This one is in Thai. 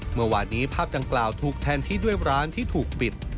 เมื่อวานนี้ภาพดังกล่าวถูกแทนที่ด้วยร้านที่ถูกปิด